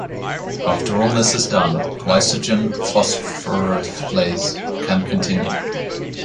After all this is done, glycogen phosphorylase can continue.